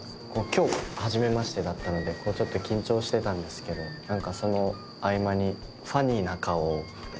今日初めましてだったのでちょっと緊張してたんですけど何かその合間に。